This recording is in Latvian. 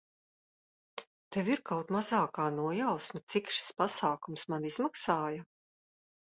Tev ir kaut mazākā nojausma, cik šis pasākums man izmaksāja?